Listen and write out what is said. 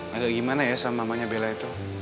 ada gimana ya sama mamanya bella itu